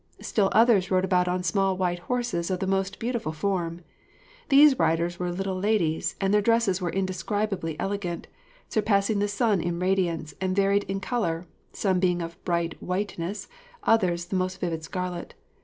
Still others rode about on small white horses of the most beautiful form; these riders were little ladies, and their dresses were indescribably elegant, surpassing the sun in radiance, and varied in colour, some being of bright whiteness, others the most vivid scarlet.